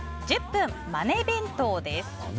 １０分マネ弁当です。